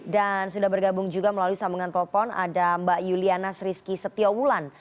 dan sudah bergabung juga melalui sambungan telepon ada mbak yuliana srisky setiowulan